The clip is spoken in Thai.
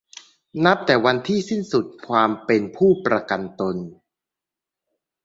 นับแต่วันที่สิ้นสุดความเป็นผู้ประกันตน